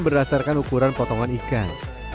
berdasarkan ukuran potongan ikan